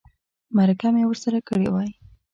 مرکه مې ورسره کړې وای.